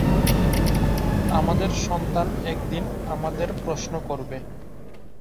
আমাদের সন্তান একদিন আমাদের প্রশ্ন করবে।